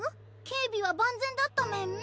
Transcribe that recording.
警備は万全だったメン？